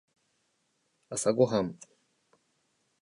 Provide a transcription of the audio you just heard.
朝ごはん